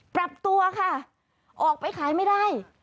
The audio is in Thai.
ปรับตัวค่ะออกไปขายไม่ได้